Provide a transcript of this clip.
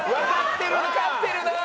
わかってるなあ！